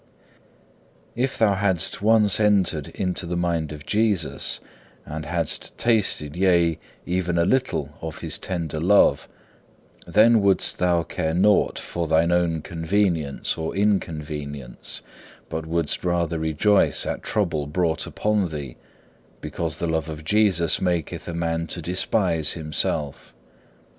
6. If thou hadst once entered into the mind of Jesus, and hadst tasted yea even a little of his tender love, then wouldst thou care nought for thine own convenience or inconvenience, but wouldst rather rejoice at trouble brought upon thee, because the love of Jesus maketh a man to despise himself.